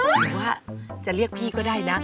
หรือว่าจะเรียกพี่ก็ได้นะ